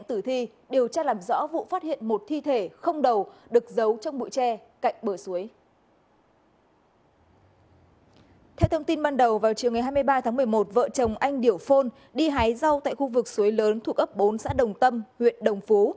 trong chiều ngày hai mươi ba tháng một mươi một vợ chồng anh điểu phôn đi hái rau tại khu vực suối lớn thuộc ấp bốn xã đồng tâm huyện đồng phú